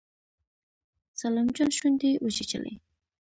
سلام جان شونډې وچيچلې.